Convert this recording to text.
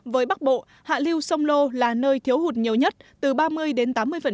với bắc bộ hạ lưu sông lô là nơi thiếu hụt nhiều nhất từ ba mươi đến tám mươi